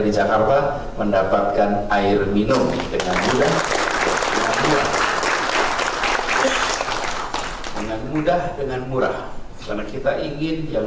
di jakarta mendapatkan air minum dengan mudah dengan mudah dengan murah karena kita ingin yang